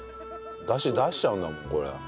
ダシ出しちゃうんだもんこれ。